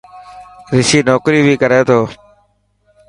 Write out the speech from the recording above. رشي نوڪري بهي ڪري ٿو.